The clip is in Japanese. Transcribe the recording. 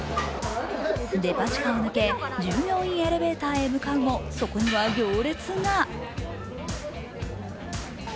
デパ地下を抜け、従業員エレベーターへ向かうもそこは行列が。